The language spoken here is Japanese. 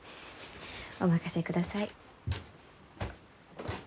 お任せください。